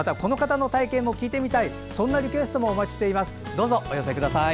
どうぞお寄せください。